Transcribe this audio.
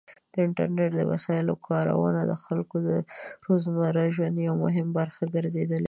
د انټرنیټ د وسایلو کارونه د خلکو د روزمره ژوند یو مهم برخه ګرځېدلې.